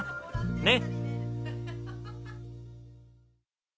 ねっ。